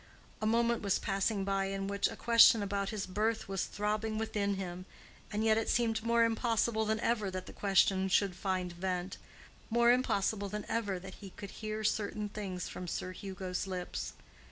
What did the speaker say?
A moment was passing by in which a question about his birth was throbbing within him, and yet it seemed more impossible than ever that the question should find vent—more impossible than ever that he could hear certain things from Sir Hugo's lips.